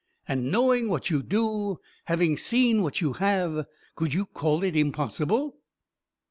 And, knowing what you do, having seen what you have, could you call it impossible?"